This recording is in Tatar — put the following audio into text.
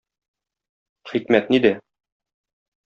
Хикмәт нидә?